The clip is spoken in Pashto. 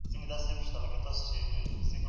په هغه وخت کي خلک ډېر صابر وو.